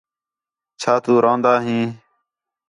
چَھا تُو روندا ہیں